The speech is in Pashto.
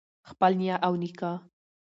خپل نیا او نیکه